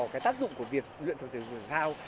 cái tác dụng của việc luyện thuật thể thao